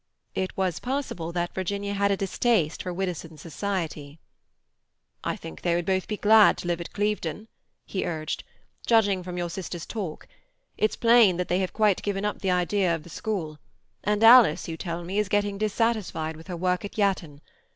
It was possible that Virginia had a distaste for Widdowson's society. "I think they both would be glad to live at Clevedon," he urged, "judging from your sisters' talk. It's plain that they have quite given up the idea of the school, and Alice, you tell me, is getting dissatisfied with her work at Yatton.